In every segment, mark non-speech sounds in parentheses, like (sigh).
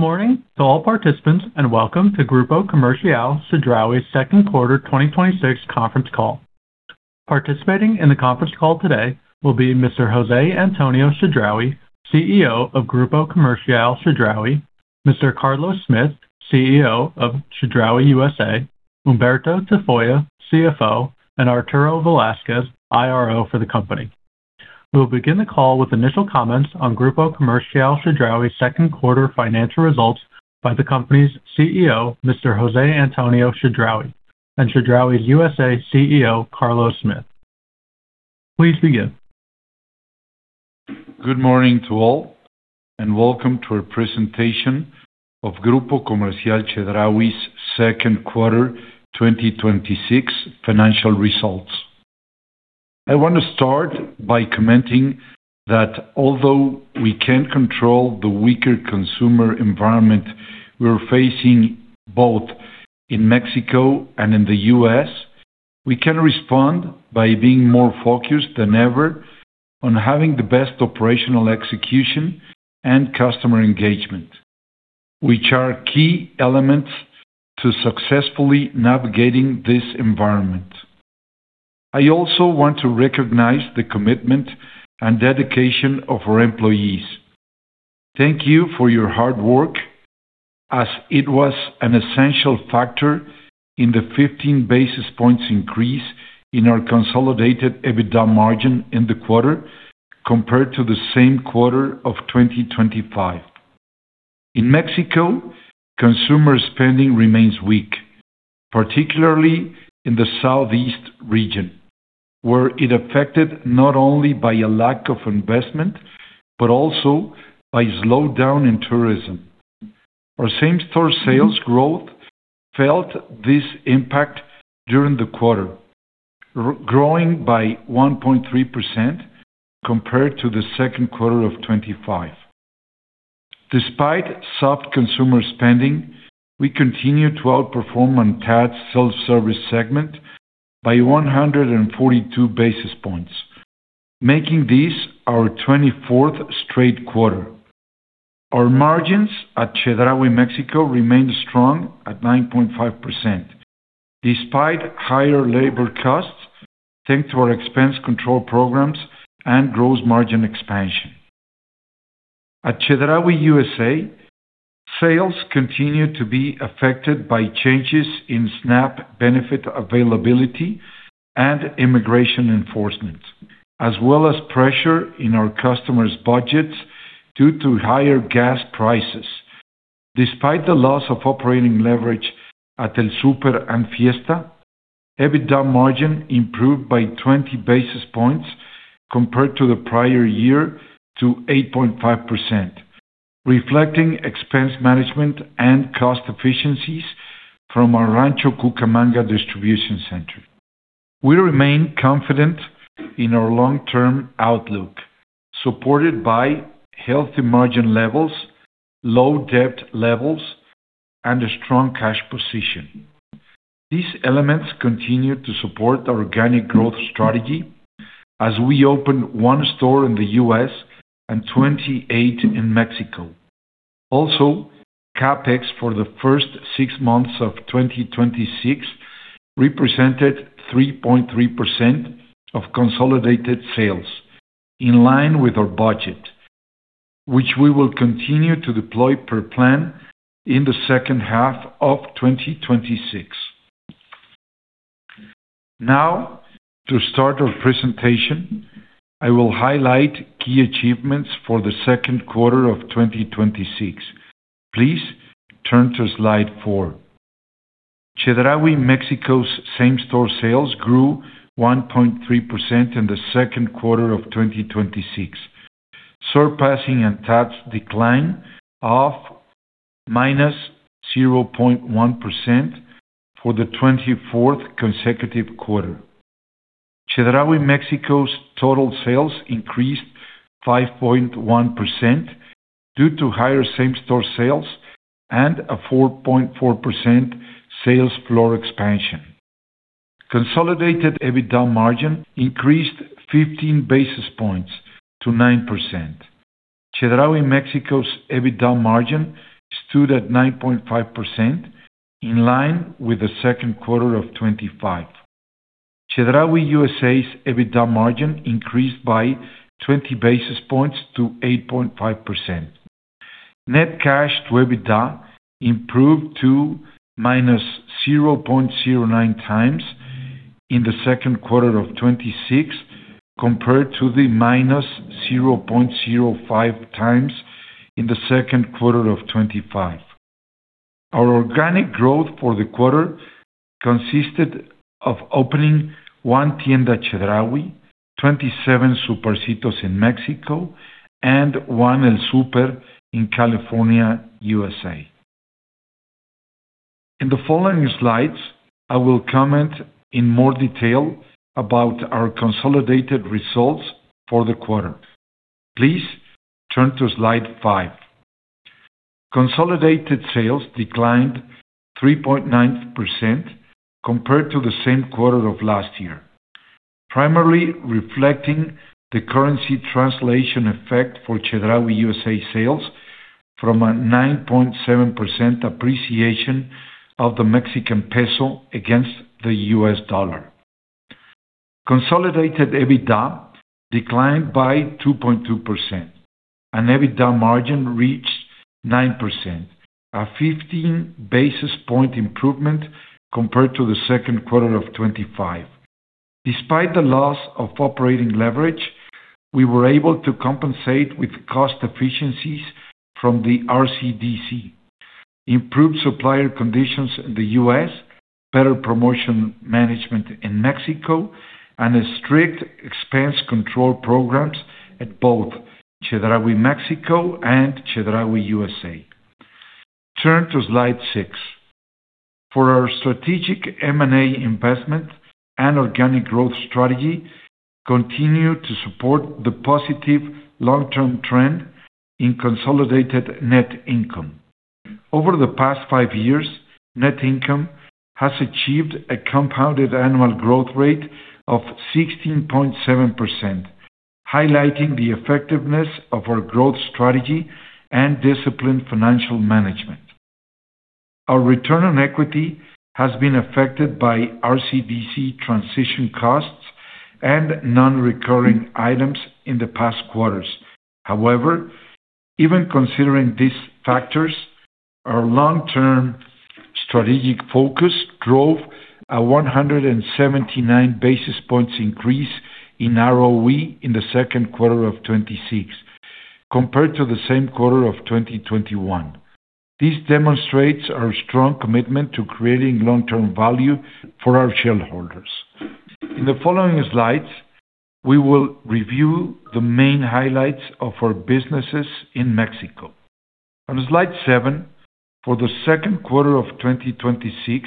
Good morning to all participants. Welcome to Grupo Comercial Chedraui's second quarter 2026 conference call. Participating in the conference call today will be Mr. José Antonio Chedraui, CEO of Grupo Comercial Chedraui, Mr. Carlos Smith, CEO of Chedraui USA, Humberto Tafolla, CFO, and Arturo Velázquez, IRO for the company. We will begin the call with initial comments on Grupo Comercial Chedraui's second quarter financial results by the company's CEO, Mr. José Antonio Chedraui, and Chedraui USA CEO, Carlos Smith. Please begin. Good morning to all. Welcome to our presentation of Grupo Comercial Chedraui's second quarter 2026 financial results. I want to start by commenting that although we can't control the weaker consumer environment we're facing, both in Mexico and in the U.S., we can respond by being more focused than ever on having the best operational execution and customer engagement, which are key elements to successfully navigating this environment. I also want to recognize the commitment and dedication of our employees. Thank you for your hard work, as it was an essential factor in the 15 basis points increase in our consolidated EBITDA margin in the quarter compared to the same quarter of 2025. In Mexico, consumer spending remains weak, particularly in the southeast region, where it affected not only by a lack of investment, but also by slowdown in tourism. Our same-store sales growth felt this impact during the quarter, growing by 1.3% compared to the second quarter of 2025. Despite soft consumer spending, we continue to outperform ANTAD self-service segment by 142 basis points, making this our 24th straight quarter. Our margins at Chedraui Mexico remained strong at 9.5%, despite higher labor costs, thanks to our expense control programs and gross margin expansion. At Chedraui USA, sales continue to be affected by changes in SNAP benefit availability and immigration enforcement, as well as pressure in our customers' budgets due to higher gas prices. Despite the loss of operating leverage at El Super and Fiesta, EBITDA margin improved by 20 basis points compared to the prior year to 8.5%, reflecting expense management and cost efficiencies from our Rancho Cucamonga distribution center. We remain confident in our long-term outlook, supported by healthy margin levels, low debt levels, and a strong cash position. These elements continue to support our organic growth strategy as we open one store in the U.S. and 28 in Mexico. CapEx for the first six months of 2026 represented 3.3% of consolidated sales, in line with our budget, which we will continue to deploy per plan in the second half of 2026. To start our presentation, I will highlight key achievements for the second quarter of 2026. Please turn to slide four. Chedraui Mexico's same-store sales grew 1.3% in the second quarter of 2026, surpassing ANTAD decline of -0.1% for the 24th consecutive quarter. Chedraui Mexico's total sales increased 5.1% due to higher same-store sales and a 4.4% sales floor expansion. Consolidated EBITDA margin increased 15 basis points to 9%. Chedraui Mexico's EBITDA margin stood at 9.5%, in line with the second quarter of 2025. Chedraui USA's EBITDA margin increased by 20 basis points to 8.5%. Net cash to EBITDA improved to -0.09 times in the second quarter of 2026 compared to the -0.05 times in the second quarter of 2025. Our organic growth for the quarter consisted of opening one Tienda Chedraui, 27 Supercitos in Mexico, and one El Super in California, U.S.A. In the following slides, I will comment in more detail about our consolidated results for the quarter. Please turn to slide five. Consolidated sales declined 3.9% compared to the same quarter of last year. Primarily reflecting the currency translation effect for Chedraui USA sales from a 9.7% appreciation of the Mexican peso against the US dollar. Consolidated EBITDA declined by 2.2%. EBITDA margin reached 9%, a 15 basis point improvement compared to the second quarter of 2025. Despite the loss of operating leverage, we were able to compensate with cost efficiencies from the RCDC, improved supplier conditions in the U.S., better promotion management in Mexico, and strict expense control programs at both Chedraui Mexico and Chedraui USA. Turn to slide six. For our strategic M&A investment and organic growth strategy, continue to support the positive long-term trend in consolidated net income. Over the past five years, net income has achieved a compounded annual growth rate of 16.7%, highlighting the effectiveness of our growth strategy and disciplined financial management. Our return on equity has been affected by RCDC transition costs and non-recurring items in the past quarters. However, even considering these factors, our long-term strategic focus drove a 179 basis points increase in ROE in the second quarter of 2026 compared to the same quarter of 2021. This demonstrates our strong commitment to creating long-term value for our shareholders. In the following slides, we will review the main highlights of our businesses in Mexico. On slide seven, for the second quarter of 2026,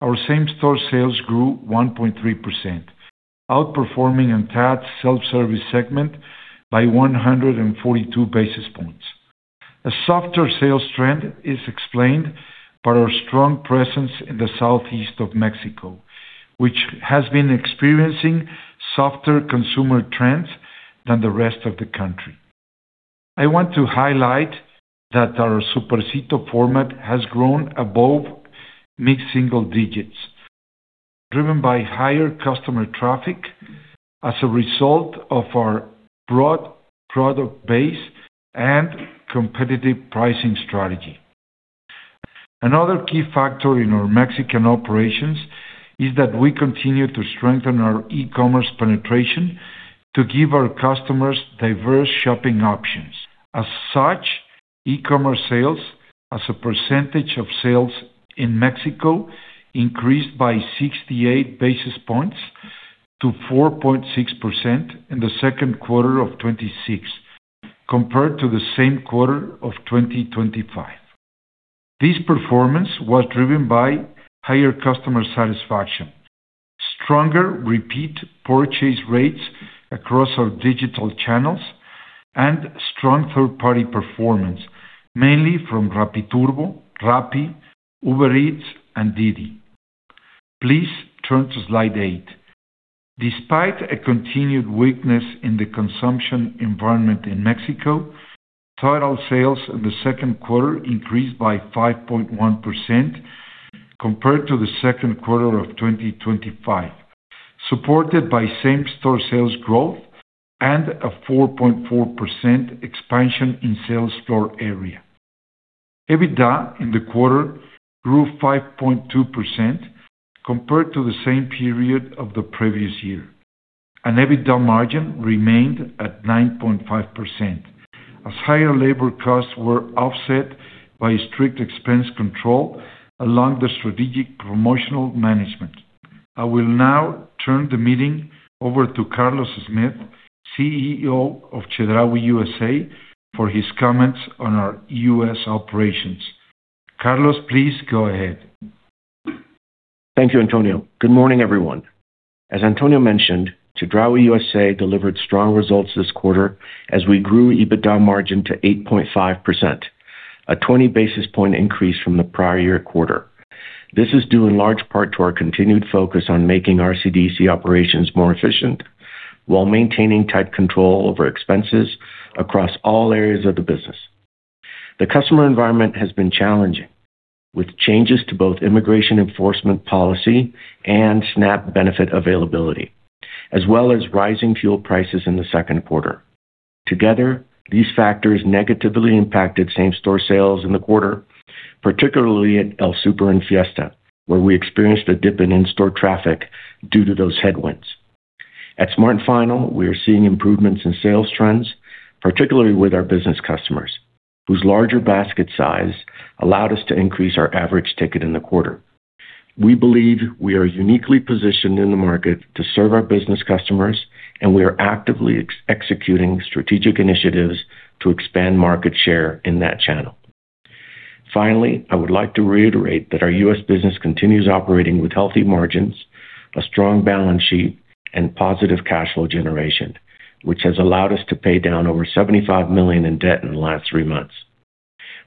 our same-store sales grew 1.3%, outperforming the entire self-service segment by 142 basis points. A softer sales trend is explained by our strong presence in the southeast of Mexico, which has been experiencing softer consumer trends than the rest of the country. I want to highlight that our Supercito format has grown above mid-single digits, driven by higher customer traffic as a result of our broad product base and competitive pricing strategy. Another key factor in our Mexican operations is that we continue to strengthen our e-commerce penetration to give our customers diverse shopping options. As such, e-commerce sales as a percentage of sales in Mexico increased by 68 basis points to 4.6% in the second quarter of 2026 compared to the same quarter of 2025. This performance was driven by higher customer satisfaction, stronger repeat purchase rates across our digital channels, and strong third-party performance, mainly from Rappi Turbo, Rappi, Uber Eats, and DiDi. Please turn to slide eight. Despite a continued weakness in the consumption environment in Mexico, total sales in the second quarter increased by 5.1% compared to the second quarter of 2025, supported by same-store sales growth and a 4.4% expansion in sales floor area. EBITDA in the quarter grew 5.2% compared to the same period of the previous year, and EBITDA margin remained at 9.5%, as higher labor costs were offset by strict expense control along the strategic promotional management. I will now turn the meeting over to Carlos Smith, CEO of Chedraui USA, for his comments on our U.S. operations. Carlos, please go ahead. Thank you, Antonio. Good morning, everyone. As Antonio mentioned, Chedraui USA delivered strong results this quarter as we grew EBITDA margin to 8.5%, a 20 basis point increase from the prior year quarter. This is due in large part to our continued focus on making RCDC operations more efficient while maintaining tight control over expenses across all areas of the business. The customer environment has been challenging, with changes to both immigration enforcement policy and SNAP benefit availability, as well as rising fuel prices in the second quarter. Together, these factors negatively impacted same-store sales in the quarter, particularly at El Super and Fiesta, where we experienced a dip in in-store traffic due to those headwinds. At Smart & Final, we are seeing improvements in sales trends, particularly with our business customers, whose larger basket size allowed us to increase our average ticket in the quarter. We believe we are uniquely positioned in the market to serve our business customers, and we are actively executing strategic initiatives to expand market share in that channel. Finally, I would like to reiterate that our U.S. business continues operating with healthy margins, a strong balance sheet, and positive cash flow generation, which has allowed us to pay down over $75 million in debt in the last three months.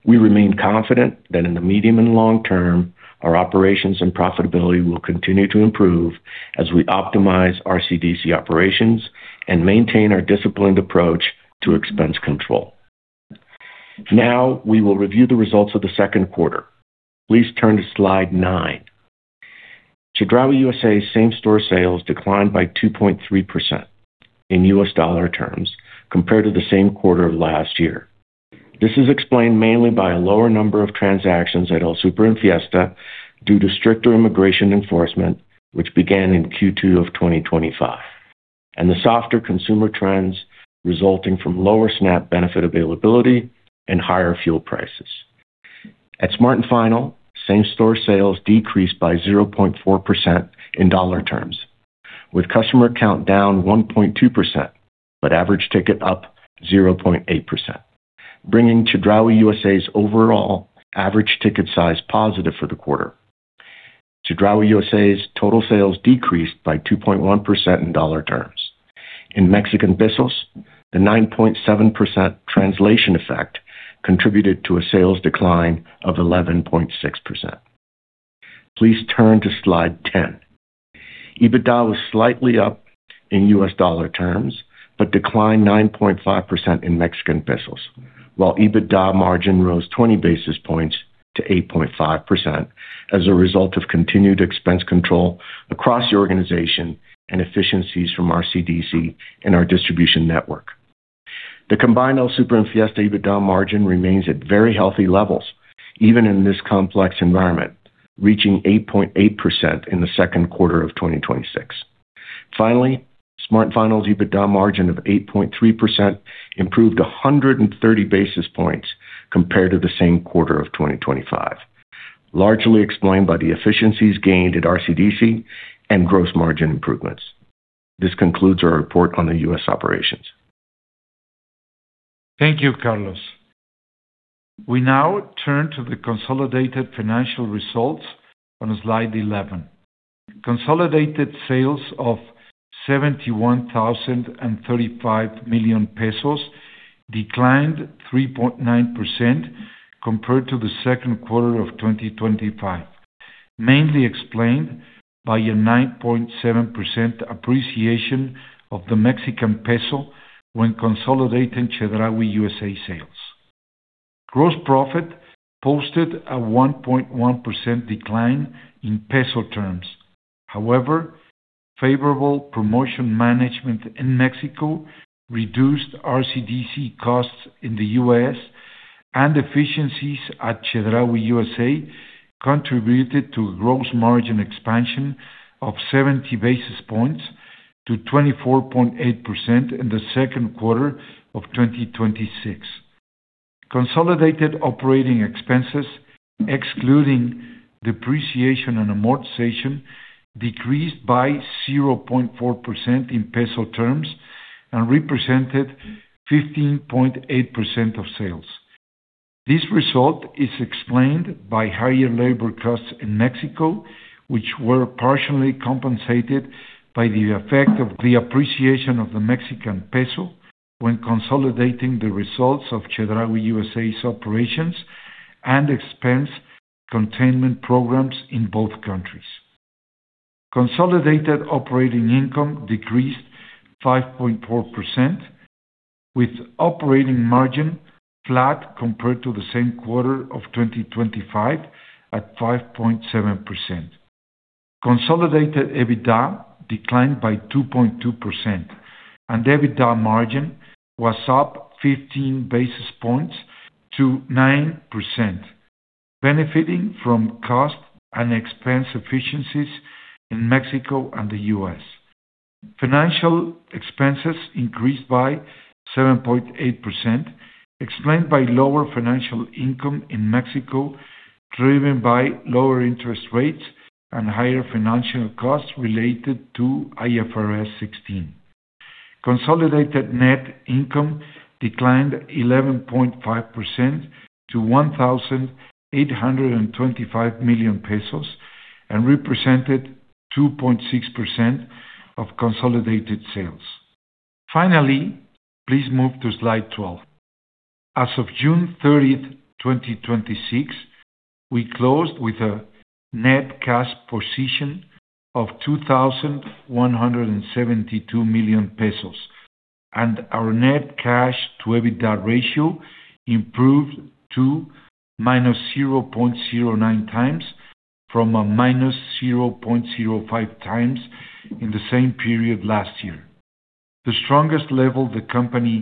We remain confident that in the medium and long term, our operations and profitability will continue to improve as we optimize our CDC operations and maintain our disciplined approach to expense control. Now, we will review the results of the second quarter. Please turn to Slide nine. Chedraui USA same-store sales declined by 2.3% in U.S. dollar terms compared to the same quarter of last year. This is explained mainly by a lower number of transactions at El Super and Fiesta due to stricter immigration enforcement, which began in Q2 of 2025, and the softer consumer trends resulting from lower SNAP benefit availability and higher fuel prices. At Smart & Final, same-store sales decreased by 0.4% in U.S. dollar terms, with customer count down 1.2%, but average ticket up 0.8%, bringing Chedraui USA's overall average ticket size positive for the quarter. Chedraui USA's total sales decreased by 2.1% in U.S. dollar terms. In Mexican pesos, the 9.7% translation effect contributed to a sales decline of 11.6%. Please turn to Slide 10. EBITDA was slightly up in U.S. dollar terms, but declined 9.5% in Mexican pesos, while EBITDA margin rose 20 basis points to 8.5% as a result of continued expense control across the organization and efficiencies from our CDC and our distribution network. The combined El Super and Fiesta EBITDA margin remains at very healthy levels, even in this complex environment, reaching 8.8% in the second quarter of 2026. Finally, Smart & Final's EBITDA margin of 8.3% improved 130 basis points compared to the same quarter of 2025, largely explained by the efficiencies gained at RCDC and gross margin improvements. This concludes our report on the U.S. operations. Thank you, Carlos. We now turn to the consolidated financial results on Slide 11. Consolidated sales of 71,035 million pesos declined 3.9% compared to the second quarter of 2025, mainly explained by a 9.7% appreciation of the Mexican peso when consolidating Chedraui USA sales. Gross profit posted a 1.1% decline in MXN terms. Favorable promotion management in Mexico reduced RCDC costs in the U.S., and efficiencies at Chedraui USA contributed to gross margin expansion of 70 basis points to 24.8% in the second quarter of 2026. Consolidated operating expenses, excluding depreciation and amortization, decreased by 0.4% in MXN terms and represented 15.8% of sales. This result is explained by higher labor costs in Mexico, which were partially compensated by the effect of the appreciation of the Mexican peso when consolidating the results of Chedraui USA's operations and expense containment programs in both countries. Consolidated operating income decreased 5.4%, with operating margin flat compared to the same quarter of 2025 at 5.7%. Consolidated EBITDA declined by 2.2%, and EBITDA margin was up 15 basis points to 9%, benefiting from cost and expense efficiencies in Mexico and the U.S. Financial expenses increased by 7.8%, explained by lower financial income in Mexico, driven by lower interest rates and higher financial costs related to IFRS 16. Consolidated net income declined 11.5% to MXN 1,825 million and represented 2.6% of consolidated sales. Please move to Slide 12. As of June 30th, 2026, we closed with a net cash position of 2,172 million pesos, and our net cash to EBITDA ratio improved to -0.09 times from a -0.05 times in the same period last year. The strongest level the company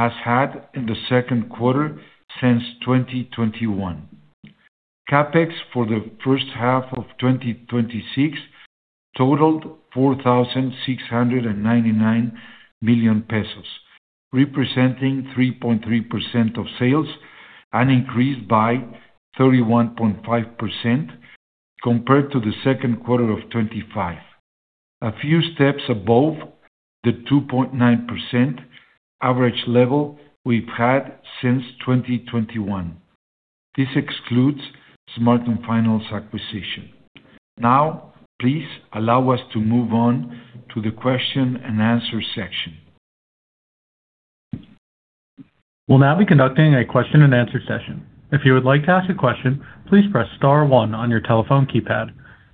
has had in the second quarter since 2021. CapEx for the first half of 2026 totaled MXN 4,699 million, representing 3.3% of sales and increased by 31.5% compared to the second quarter of 2025. A few steps above the 2.9% average level we've had since 2021. This excludes Smart & Final's acquisition. Please allow us to move on to the question and answer section. We'll now be conducting a question-and-answer session. If you would like to ask a question, please press star one on your telephone keypad.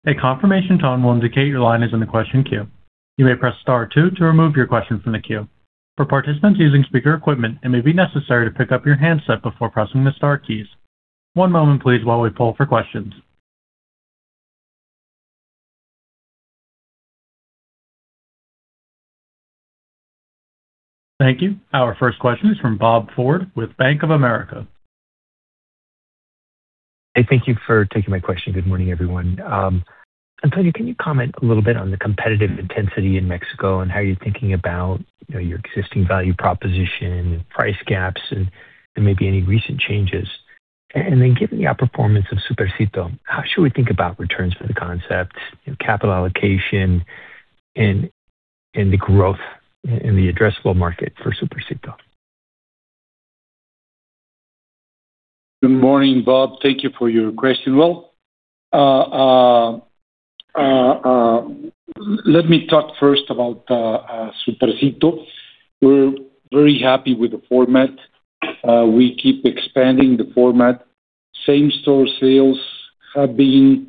A confirmation tone will indicate your line is in the question queue. You may press star two to remove your question from the queue. For participants using speaker equipment, it may be necessary to pick up your handset before pressing the star keys. One moment please while we poll for questions. Thank you. Our first question is from Bob Ford with Bank of America. Hey, thank you for taking my question. Good morning, everyone. Antonio, can you comment a little bit on the competitive intensity in Mexico and how you're thinking about your existing value proposition and price gaps, and there may be any recent changes? Then given the outperformance of Supercito, how should we think about returns for the concept and capital allocation and the growth in the addressable market for Supercito? Good morning, Bob. Thank you for your question. Well, let me talk first about Supercito. We're very happy with the format. We keep expanding the format. Same-store sales have been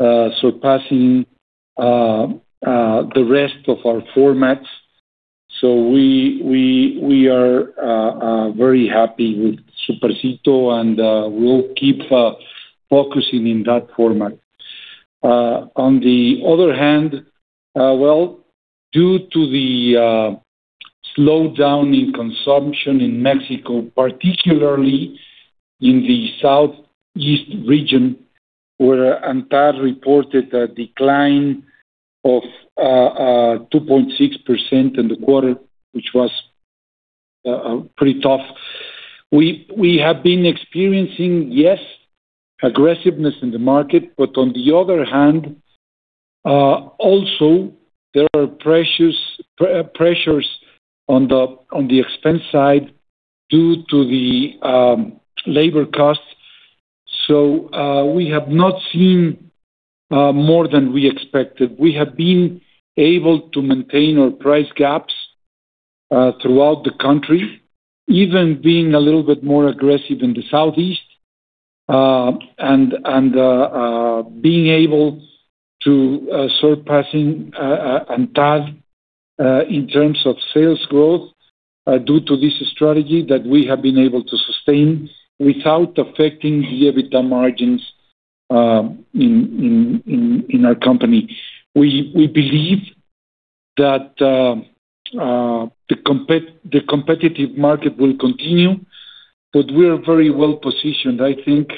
surpassing the rest of our formats. We are very happy with Supercito, and we'll keep focusing in that format. On the other hand, well, due to the slowdown in consumption in Mexico, particularly in the southeast region, where ANTAD reported a decline of 2.6% in the quarter, which was pretty tough. We have been experiencing, yes, aggressiveness in the market, but on the other hand, also there are pressures on the expense side due to the labor costs. We have not seen more than we expected. We have been able to maintain our price gaps throughout the country, even being a little bit more aggressive in the southeast, and being able to surpassing ANTAD in terms of sales growth due to this strategy that we have been able to sustain without affecting the EBITDA margins in our company. We believe that the competitive market will continue, we're very well-positioned. I think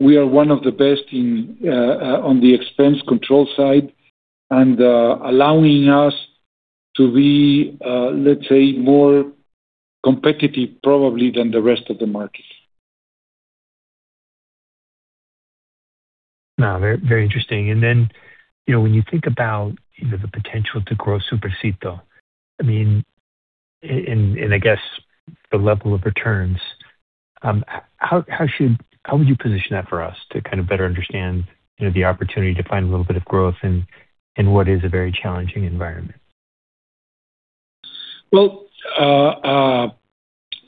we are one of the best on the expense control side and allowing us to be, let's say, more competitive probably than the rest of the market. Very interesting. When you think about the potential to grow Supercito, and I guess the level of returns, how would you position that for us to kind of better understand the opportunity to find a little bit of growth in what is a very challenging environment? Well,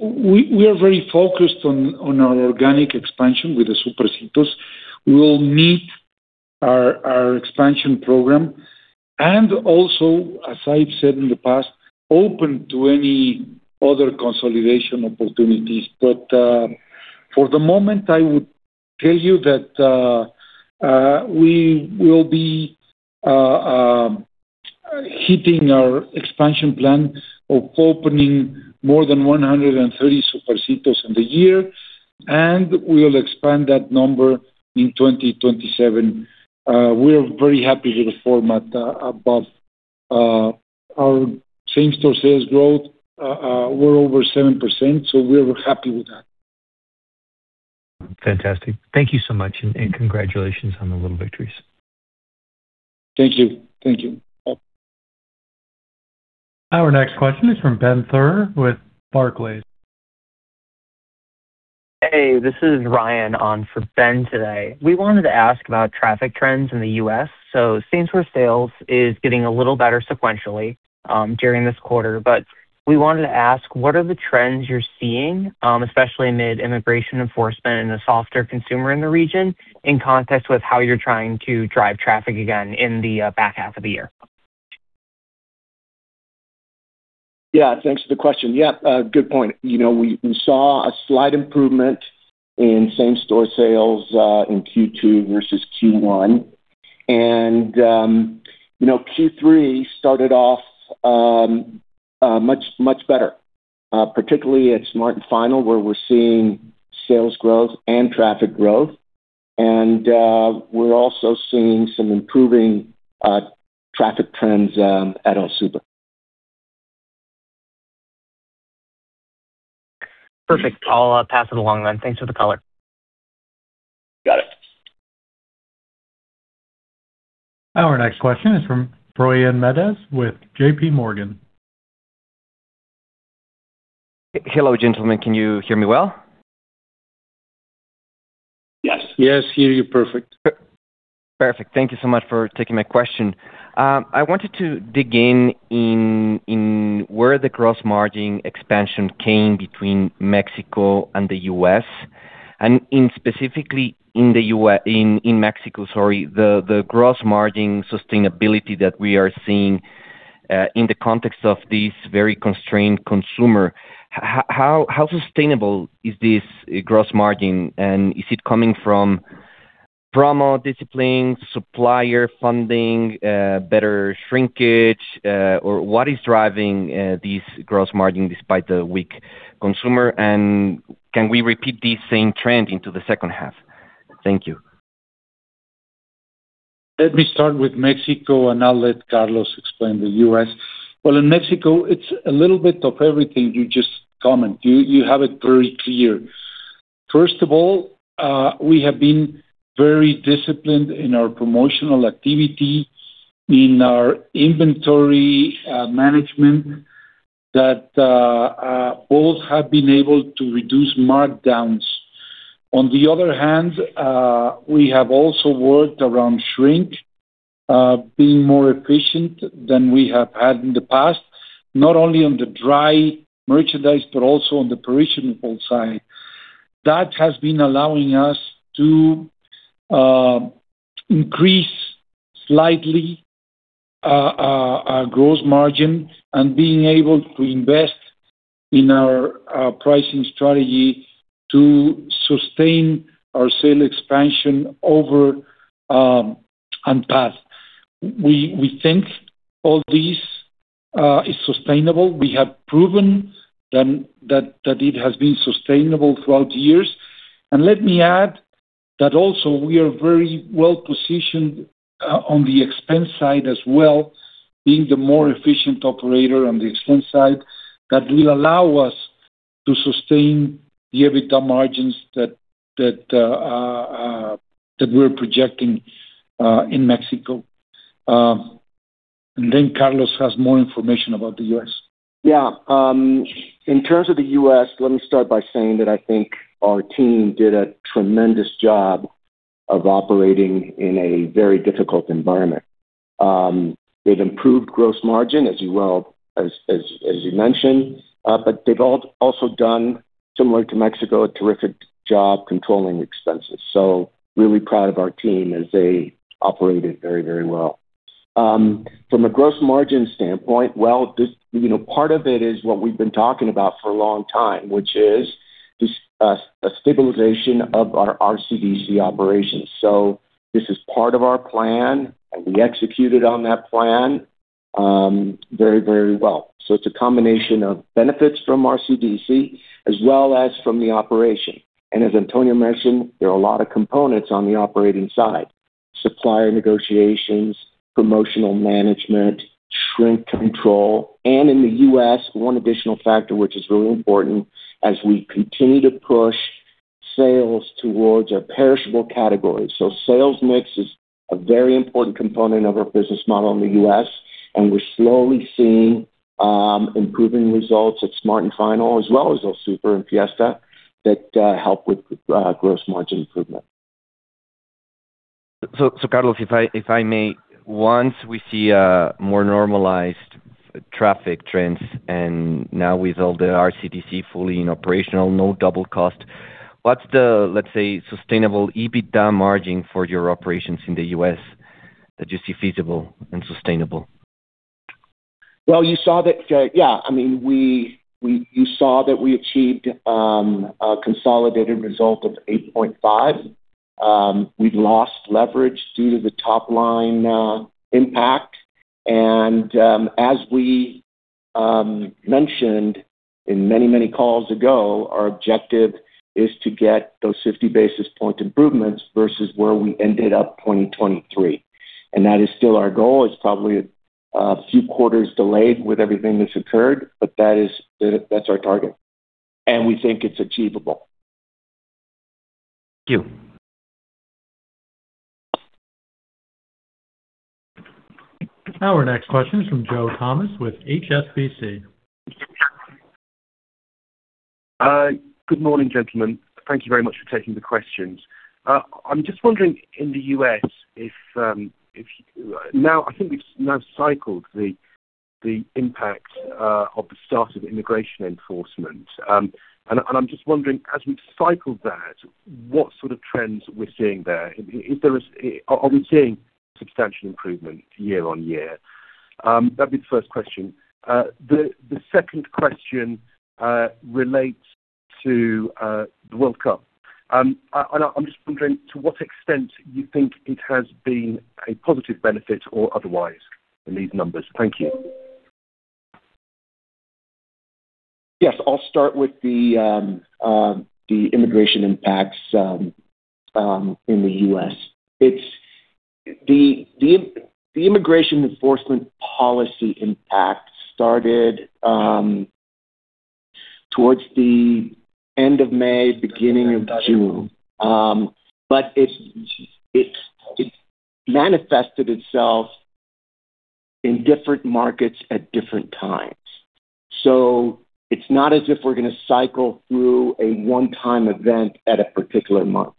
we are very focused on our organic expansion with the Supercitos. We'll meet our expansion program and also, as I've said in the past, open to any other consolidation opportunities. For the moment, I would tell you that we will be hitting our expansion plan of opening more than 130 Supercitos in the year, and we'll expand that number in 2027. We're very happy with the format above our same-store sales growth, we're over 7%, so we're happy with that. Fantastic. Thank you so much. Congratulations on the little victories. Thank you. Our next question is from Ben Theurer with Barclays. Hey, this is Ryan on for Ben today. We wanted to ask about traffic trends in the U.S. Same-store sales is getting a little better sequentially during this quarter, we wanted to ask, what are the trends you're seeing, especially amid immigration enforcement and a softer consumer in the region, in context with how you're trying to drive traffic again in the back half of the year? Yeah, thanks for the question. Yeah, good point. We saw a slight improvement in same-store sales in Q2 versus Q1. Q3 started off much better, particularly at Smart & Final, where we're seeing sales growth and traffic growth. We're also seeing some improving traffic trends at El Super. Perfect. I'll pass it along then. Thanks for the color. Got it. Our next question is from Froylan Mendez with JPMorgan. Hello, gentlemen. Can you hear me well? Yes, hear you perfect. Perfect. Thank you so much for taking my question. I wanted to dig in where the gross margin expansion came between Mexico and the U.S., and in specifically in Mexico, sorry, the gross margin sustainability that we are seeing, in the context of this very constrained consumer, how sustainable is this gross margin? Is it coming from promo discipline, supplier funding, better shrinkage? What is driving these gross margin despite the weak consumer? Can we repeat this same trend into the second half? Thank you. Let me start with Mexico, and I'll let Carlos explain the U.S. Well, in Mexico, it's a little bit of everything you just comment. You have it very clear. First of all, we have been very disciplined in our promotional activity, in our inventory management, that both have been able to reduce markdowns. On the other hand, we have also worked around shrink, being more efficient than we have had in the past, not only on the dry merchandise, but also on the perishable side. That has been allowing us to increase slightly our gross margin and being able to invest in our pricing strategy to sustain our sale expansion over and path. We think all this is sustainable. We have proven that it has been sustainable throughout the years. Let me add that also, we are very well-positioned on the expense side as well, being the more efficient operator on the expense side, that will allow us to sustain the EBITDA margins that we're projecting in Mexico. Carlos has more information about the U.S. Yeah. In terms of the U.S., let me start by saying that I think our team did a tremendous job of operating in a very difficult environment. They've improved gross margin, as you mentioned, but they've also done similar to Mexico, a terrific job controlling expenses. Really proud of our team as they operated very well. From a gross margin standpoint, well, part of it is what we've been talking about for a long time, which is a stabilization of our RCDC operations. This is part of our plan, and we executed on that plan very well. It's a combination of benefits from RCDC as well as from the operation. As Antonio mentioned, there are a lot of components on the operating side: supplier negotiations, promotional management, shrink control. In the U.S., one additional factor, which is really important, as we continue to push sales towards our perishable categories. Sales mix is a very important component of our business model in the U.S., and we're slowly seeing improving results at Smart & Final as well as El Super and Fiesta that help with gross margin improvement. Carlos, if I may, once we see a more normalized traffic trends and now with all the RCDC fully in operational, no double cost, what's the, let's say, sustainable EBITDA margin for your operations in the U.S. that you see feasible and sustainable? Well, you saw that we achieved a consolidated result of 8.5. We've lost leverage due to the top-line impact. As we mentioned in many calls ago, our objective is to get those 50 basis point improvements versus where we ended up 2023. That is still our goal. It's probably a few quarters delayed with everything that's occurred, but that's our target, and we think it's achievable. Thank you. Our next question is from Joe Thomas with HSBC. Good morning, gentlemen. Thank you very much for taking the questions. I'm just wondering in the U.S., I think we've now cycled the impact of the start of immigration enforcement. I'm just wondering, as we've cycled that, what sort of trends we're seeing there. Are we seeing substantial improvement year-over-year? That'd be the first question. The second question relates to the World Cup. I'm just wondering to what extent you think it has been a positive benefit or otherwise in these numbers. Thank you. Yes, I'll start with the immigration impacts in the U.S. The immigration enforcement policy impact started towards the end of May, beginning of June. It manifested itself in different markets at different times. It's not as if we're going to cycle through a one-time event at a particular month.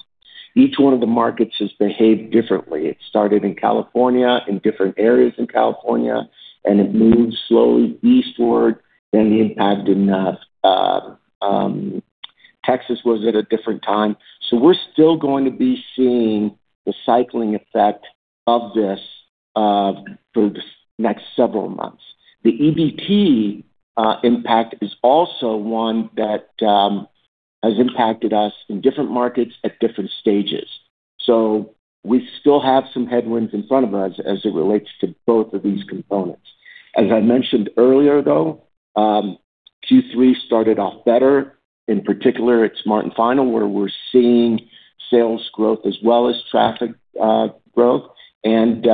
Each one of the markets has behaved differently. It started in California, in different areas in California, it moved slowly eastward, the impact in Texas was at a different time. We're still going to be seeing the cycling effect of this for the next several months. The EBT impact is also one that has impacted us in different markets at different stages. We still have some headwinds in front of us as it relates to both of these components. As I mentioned earlier, though, Q3 started off better, in particular at Smart & Final, where we're seeing sales growth as well as traffic growth. At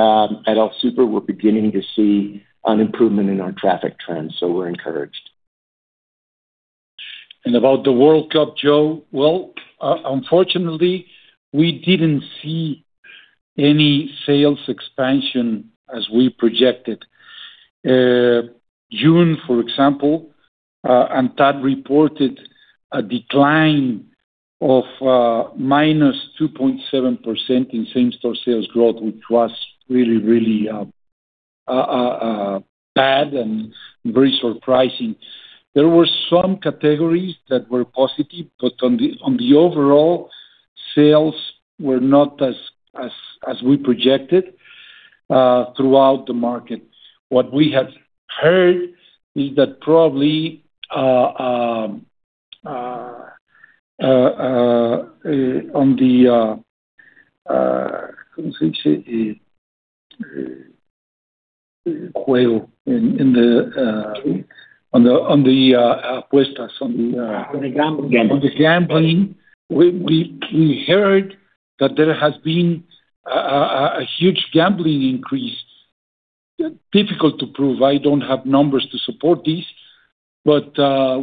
El Super, we're beginning to see an improvement in our traffic trends. We're encouraged. About the World Cup, Joe, well, unfortunately, we didn't see any sales expansion as we projected. June, for example, ANTAD reported a decline of minus 2.7% in same-store sales growth, which was really bad and very surprising. There were some categories that were positive, but on the overall, sales were not as we projected throughout the market. What we have heard is that probably on the On the gambling. On the gambling. We heard that there has been a huge gambling increase. Difficult to prove. I don't have numbers to support this, but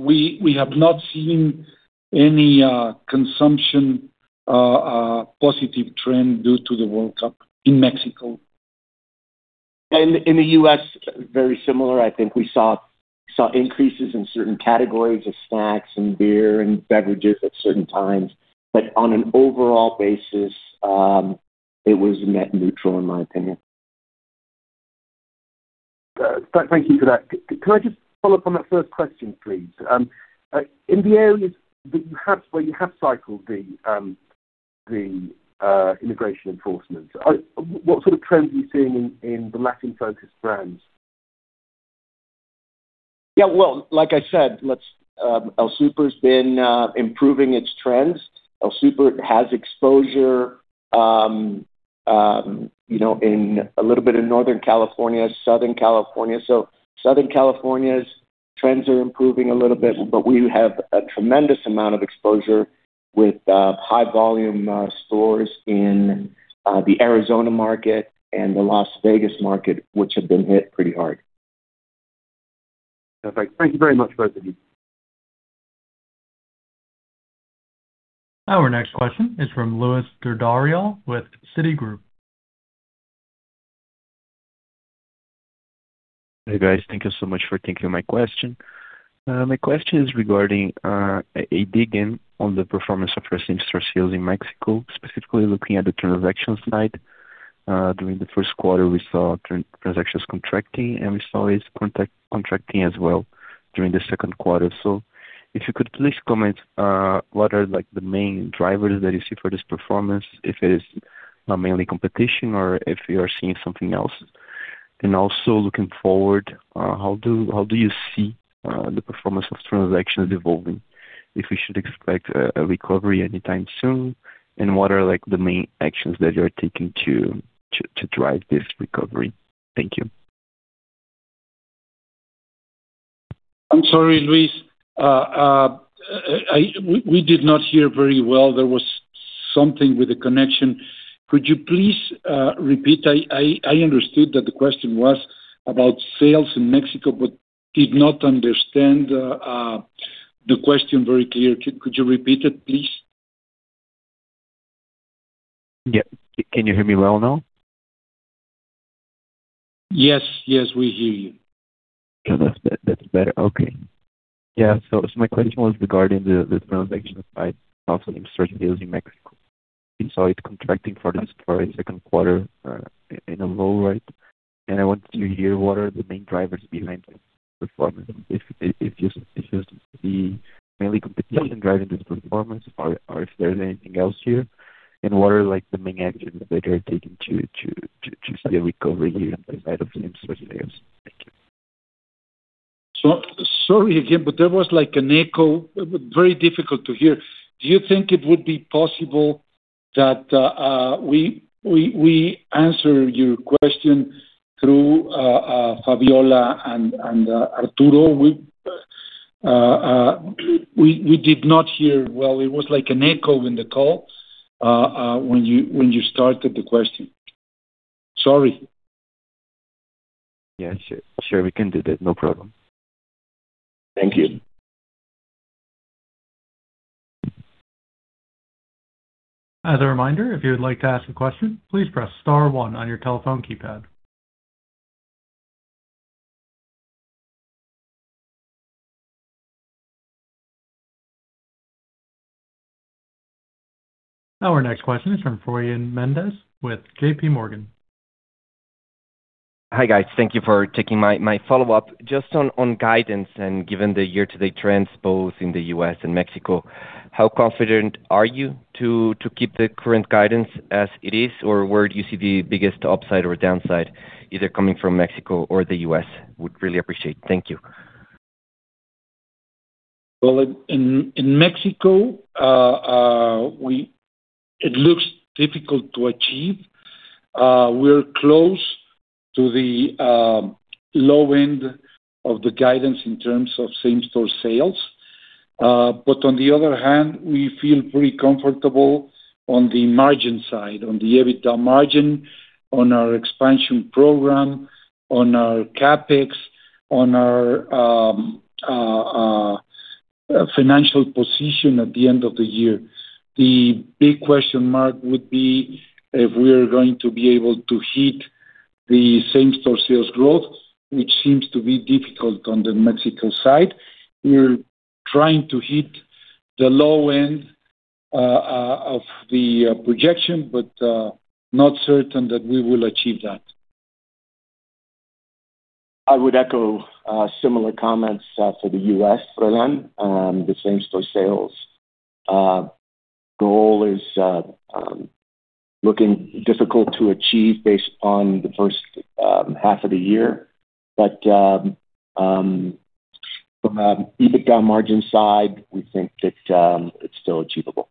we have not seen any consumption positive trend due to the World Cup in Mexico. In the U.S., very similar. I think we saw increases in certain categories of snacks and beer and beverages at certain times. But on an overall basis, it was net neutral, in my opinion. Thank you for that. Can I just follow up on that first question, please? In the areas where you have cycled the immigration enforcement, what sort of trends are you seeing in the Latin-focused brands? Yeah. Well, like I said, El Super's been improving its trends. El Super has exposure a little bit in Northern California, Southern California. Southern California's trends are improving a little bit, but we have a tremendous amount of exposure with high volume stores in the Arizona market and the Las Vegas market, which have been hit pretty hard. Perfect. Thank you very much, both of you. Our next question is from Luis (inaudible) with Citigroup. Hey, guys. Thank you so much for taking my question. My question is regarding a dig in on the performance of our same-store sales in Mexico, specifically looking at the transactions side. During the first quarter, we saw transactions contracting, and we saw it contracting as well during the second quarter. If you could please comment, what are the main drivers that you see for this performance, if it is mainly competition or if you are seeing something else? Looking forward, how do you see the performance of transactions evolving? If we should expect a recovery anytime soon, and what are the main actions that you are taking to drive this recovery? Thank you. I'm sorry, Luis. We did not hear very well. There was something with the connection. Could you please repeat? I understood that the question was about sales in Mexico, but did not understand the question very clear. Could you repeat it, please? Yeah. Can you hear me well now? Yes. Yes, we hear you. That's better. Okay. Yeah. My question was regarding the transaction side, also same-store sales in Mexico. We saw it contracting for the second quarter in a low rate. I want to hear what are the main drivers behind this performance, if it's just mainly competition driving this performance or if there's anything else here, and what are the main actions that you're taking to see a recovery on that side of same-store sales. Thank you. Sorry again, there was an echo. Very difficult to hear. Do you think it would be possible that we answer your question through Fabiola and Arturo? We did not hear well. It was like an echo in the call when you started the question. Sorry. Yeah. Sure. We can do that. No problem. Thank you. As a reminder, if you would like to ask a question, please press star one on your telephone keypad. Our next question is from Froylan Mendez with JPMorgan. Hi, guys. Thank you for taking my follow-up. Just on guidance and given the year-to-date trends both in the U.S. and Mexico, how confident are you to keep the current guidance as it is? Where do you see the biggest upside or downside, either coming from Mexico or the U.S.? Would really appreciate. Thank you. Well, in Mexico, it looks difficult to achieve. We're close to the low end of the guidance in terms of same-store sales. On the other hand, we feel pretty comfortable on the margin side, on the EBITDA margin, on our expansion program, on our CapEx, on our financial position at the end of the year. The big question mark would be if we're going to be able to hit the same-store sales growth, which seems to be difficult on the Mexican side. We're trying to hit the low end of the projection, but not certain that we will achieve that. I would echo similar comments for the U.S., Froylan. The same-store sales goal is looking difficult to achieve based on the first half of the year. From an EBITDA margin side, we think that it's still achievable.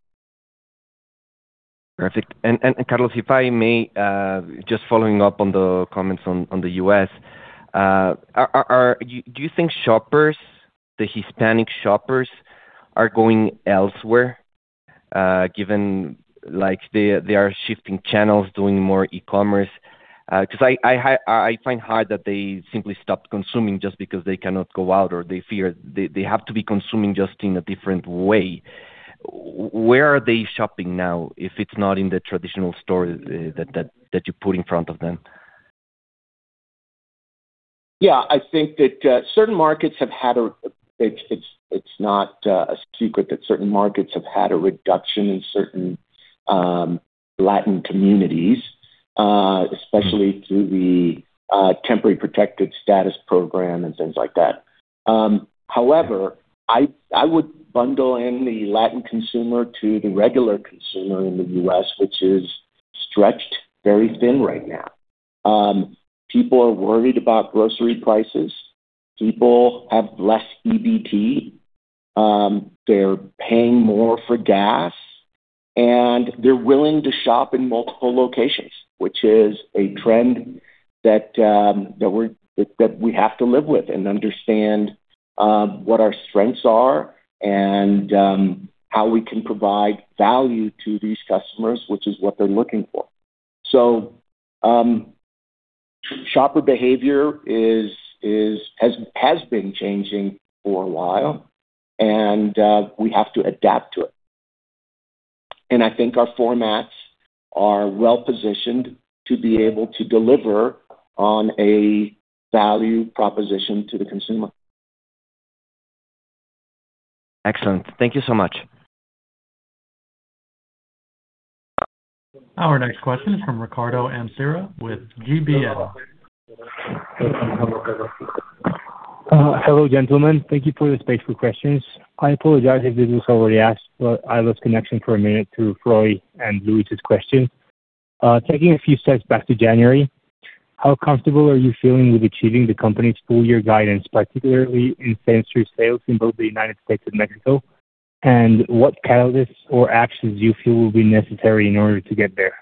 Perfect. Carlos, if I may, just following up on the comments on the U.S., do you think shoppers, the Hispanic shoppers, are going elsewhere given they are shifting channels, doing more e-commerce? Because I find hard that they simply stopped consuming just because they cannot go out, or they fear, they have to be consuming just in a different way. Where are they shopping now if it's not in the traditional store that you put in front of them? It's not a secret that certain markets have had a reduction in certain Latin communities, especially through the Temporary Protected Status program and things like that. However, I would bundle in the Latin consumer to the regular consumer in the U.S., which is stretched very thin right now. People are worried about grocery prices. People have less EBT. They're paying more for gas, and they're willing to shop in multiple locations, which is a trend that we have to live with and understand what our strengths are and how we can provide value to these customers, which is what they're looking for. Shopper behavior has been changing for a while, and we have to adapt to it. I think our formats are well-positioned to be able to deliver on a value proposition to the consumer. Excellent. Thank you so much. Our next question is from Ricardo Amsira with GBM. Hello, gentlemen. Thank you for the space for questions. I apologize if this was already asked, but I lost connection for a minute through Froylan and Luis' question. Taking a few steps back to January, how comfortable are you feeling with achieving the company's full-year guidance, particularly in same-store sales in both the U.S. and Mexico? What catalysts or actions do you feel will be necessary in order to get there?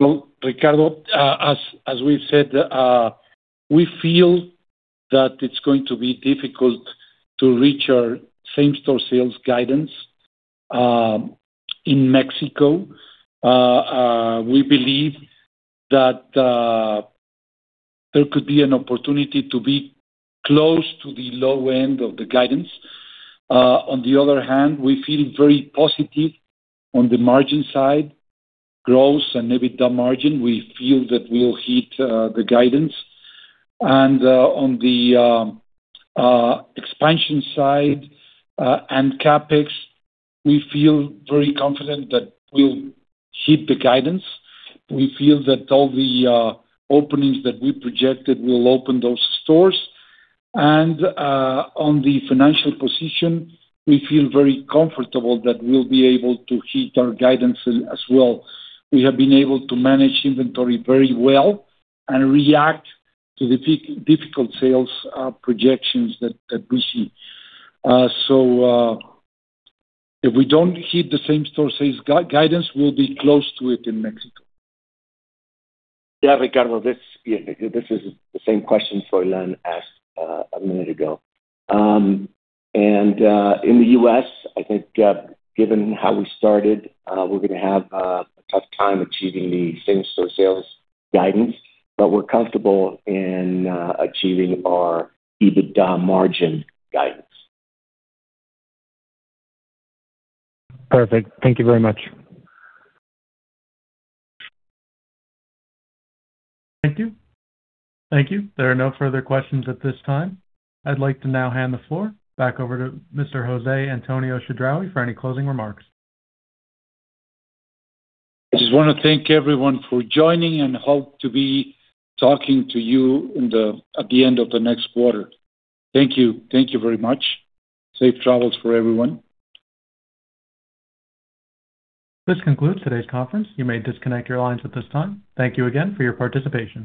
Well, Ricardo, as we've said, we feel that it's going to be difficult to reach our same-store sales guidance. In Mexico, we believe that there could be an opportunity to be close to the low end of the guidance. On the other hand, we feel very positive on the margin side, gross and EBITDA margin. We feel that we'll hit the guidance. On the expansion side and CapEx, we feel very confident that we'll hit the guidance. We feel that all the openings that we projected will open those stores. On the financial position, we feel very comfortable that we'll be able to hit our guidance as well. We have been able to manage inventory very well and react to the difficult sales projections that we see. If we don't hit the same-store sales guidance, we'll be close to it in Mexico. Yeah, Ricardo, this is the same question Froylan asked a minute ago. In the U.S., I think given how we started, we're going to have a tough time achieving the same-store sales guidance. We're comfortable in achieving our EBITDA margin guidance. Perfect. Thank you very much. Thank you. Thank you. There are no further questions at this time. I'd like to now hand the floor back over to Mr. José Antonio Chedraui for any closing remarks. I just want to thank everyone for joining and hope to be talking to you at the end of the next quarter. Thank you. Thank you very much. Safe travels for everyone. This concludes today's conference. You may disconnect your lines at this time. Thank you again for your participation.